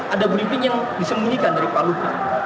ada briefing yang disembunyikan dari pak luhut